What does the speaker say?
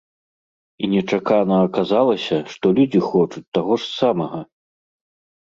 І нечакана аказалася, што людзі хочуць таго ж самага!